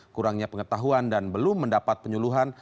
kurangnya pengetahuan dan belum mendapat penyuluhan